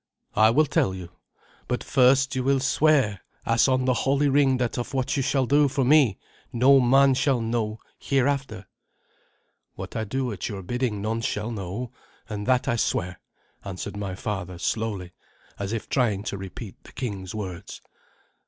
"I will tell you. But first will you swear as on the holy ring that of what you shall do for me no man shall know hereafter?" "What I do at your bidding none shall know, and that I swear," answered my father slowly, as if trying to repeat the king's words.